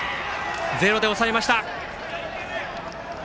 ゼロで抑えました。